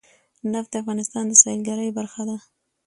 نفت د افغانستان د سیلګرۍ برخه ده.